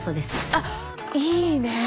あっいいねえ。